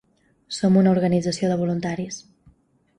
Som una organització de voluntaris.